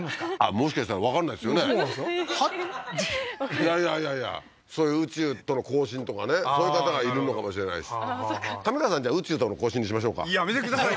いやいやいやいやそういう宇宙との交信とかねそういう方がいるのかもしれないし上川さんじゃあ宇宙との交信にしましょうかやめてください